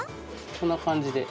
こんな感じで。